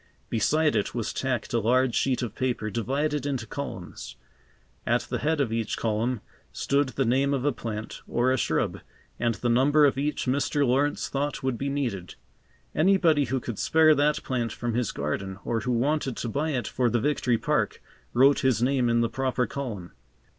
Beside it was tacked a large sheet of paper, divided into columns. At the head of each column stood the name of a plant or a shrub, and the number of each Mr. Lawrence thought would be needed. Anybody who could spare that plant from his garden or who wanted to buy it for the Victory Park, wrote his name in the proper column.